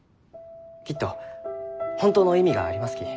きっと本当の意味がありますき。